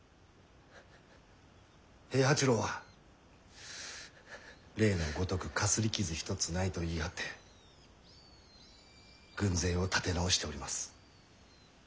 平八郎は例のごとくかすり傷一つないと言い張って軍勢を立て直しております。